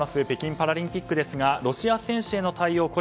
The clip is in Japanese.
北京パラリンピックですがロシア選手への対応